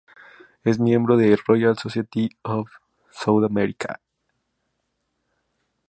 Es miembro de la Royal Society of South Africa.